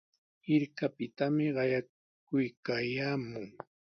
Hirkapitami qayakuykaayaamun.